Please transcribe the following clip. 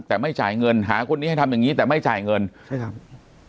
แต่ไม่จ่ายเงินหาคนนี้ให้ทำอย่างงี้แต่ไม่จ่ายเงินใช่ครับ